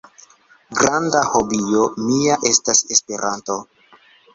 Granda hobio mia estas Esperanto.